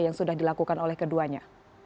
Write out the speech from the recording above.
yang sudah dilakukan oleh keduanya